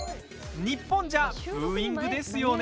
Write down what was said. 日本じゃ、ブーイングですよね？